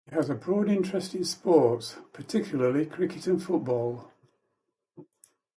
He has a broad interest in sports, particularly cricket and football.